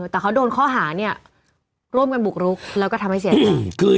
แต่เขาโดนข้อหาร่วมกันบุกลุกแล้วก็ทำให้เสียทั้ง